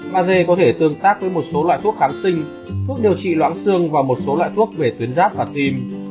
mag có thể tương tác với một số loại thuốc kháng sinh thuốc điều trị loãng xương và một số loại thuốc về tuyến giáp và tim